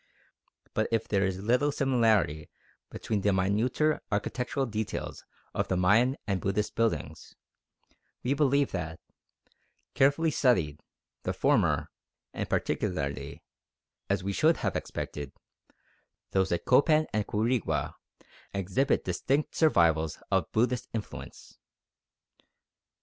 ] But if there is little similarity between the minuter architectural details of the Mayan and Buddhist buildings, we believe that, carefully studied, the former, and particularly, as we should have expected, those at Copan and Quirigua, exhibit distinct survivals of Buddhist influence.